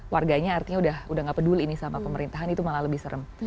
warganya artinya udah gak peduli ini sama pemerintahan itu malah lebih serem